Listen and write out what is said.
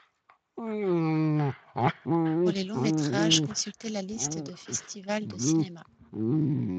Pour les longs métrages, consulter la liste de festivals de cinéma.